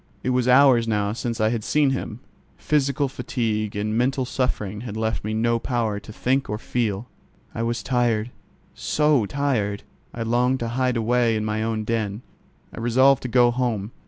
It was hours now since I had seen him. Physical fatigue and mental suffering had left me no power to think or feel. I was tired, so tired! I longed to hide away in my own den. I resolved to go home.